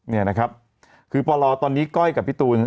เนี่ยนะครับคือปลตอนนี้ก้อยกับพี่ตูน